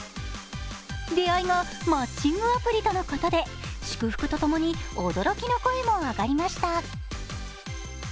出会いがマッチングアプリとのことで祝福と共に驚きの声も上がりました。